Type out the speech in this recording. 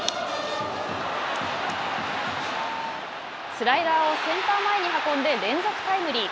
スライダーをセンター前に運んで連続タイムリー。